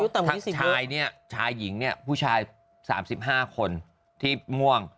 ถ้าชายนี้ชายหญิงนี้ผู้ชายสามสิบห้าคนที่มวง